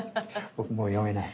僕も読めない。